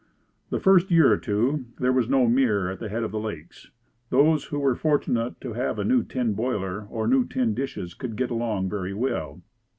The first year or two, there was no mirror at the head of the lakes. Those who were fortunate enough to have a new tin boiler, or new tin dishes could get along very well.